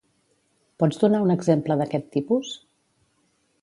Pots donar un exemple d'aquest tipus?